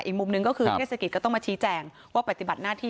อีกมุมหนึ่งก็คือเทศกิจก็ต้องมาชี้แจงว่าปฏิบัติหน้าที่